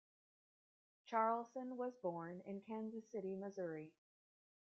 Charleson was born in Kansas City, Missouri.